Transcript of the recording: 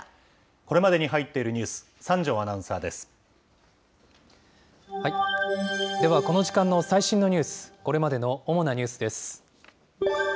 これまでに入っているニュース、では、この時間の最新のニュース、これまでの主なニュースです。